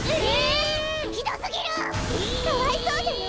かわいそうじゃない！